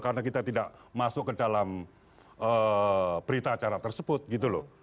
karena kita tidak masuk ke dalam berita acara tersebut gitu loh